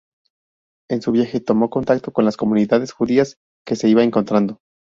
En su viaje tomó contacto con las comunidades judías que se iba encontrando.